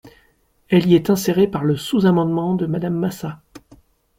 Elle y est insérée par le sous-amendement de Madame Massat.